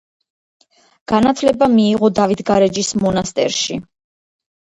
განათლება მიიღო დავითგარეჯის მონასტერში.